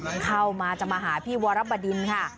มันเข้ามาจะมาหาพี่วรบดินค่ะ